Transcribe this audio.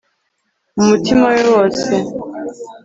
nu mutima we wose